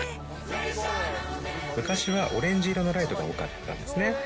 昔はオレンジ色のライトが多かったんですね。